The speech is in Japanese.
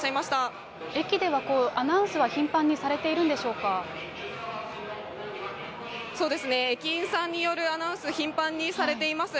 駅ではアナウンスは頻繁にさそうですね、駅員さんによるアナウンス、頻繁にされています。